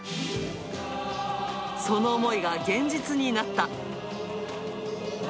その思いが現実になった。